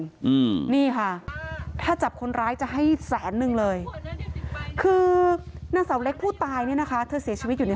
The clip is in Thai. เงี่ยนี่ค่ะถ้าจับคนร้ายจะให้แสนนึงเลย